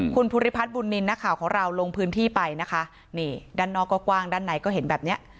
คุณภูริพัฒน์บุญนินทร์นักข่าวของเราลงพื้นที่ไปนะคะนี่ด้านนอกก็กว้างด้านในก็เห็นแบบเนี้ย